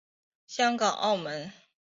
香港澳门